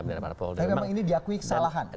tapi memang ini diakui kesalahan